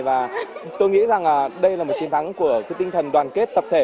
và tôi nghĩ rằng đây là một chiến thắng của cái tinh thần đoàn kết tập thể